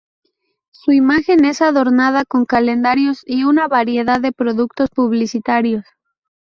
Su imagen es adornada con calendarios y una variedad de productos publicitarios.